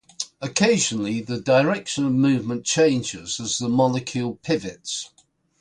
Occasionally the direction of movement changes as the molecule pivots.